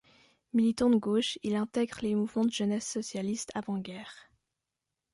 Militant de gauche, il intègre les mouvements de jeunesses socialistes avant-guerre.